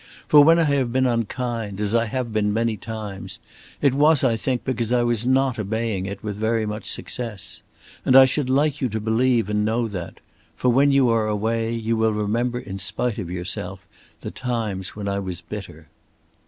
For when I have been unkind, as I have been many times, it was, I think, because I was not obeying it with very much success. And I should like you to believe and know that. For when you are away, you will remember, in spite of yourself, the times when I was bitter."